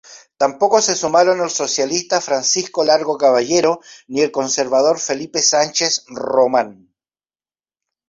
Tampoco se sumaron el socialista Francisco Largo Caballero ni el conservador Felipe Sánchez Román.